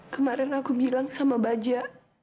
kemarin aku bilang sama baja